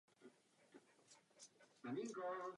Nakonec však musíme od hledání upustit...